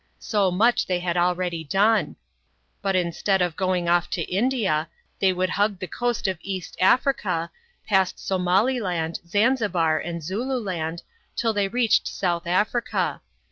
So much THE CHILDHOOD OF GREECE. 53 they had already done ; bivt instead of going off tct India, they would hug the coast of East Africa, past Somaliland, Zanzibar, and Zululand, till they reached South Africa.